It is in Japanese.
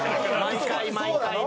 毎回毎回な。